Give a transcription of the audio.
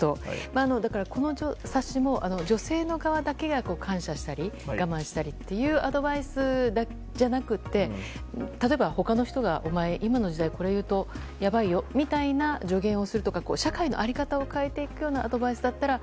この冊子も女性の側だけが感謝したり我慢したりというアドバイスじゃなくて例えば他の人がお前、今の時代これ言うとやばいよみたいな助言をするとか社会の在り方を変えていくようなアドバイスだったら。